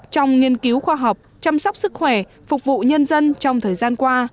trong nghiên cứu khoa học chăm sóc sức khỏe phục vụ nhân dân trong thời gian qua